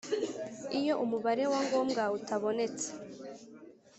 Iyo umubare wa ngombwa utabonetse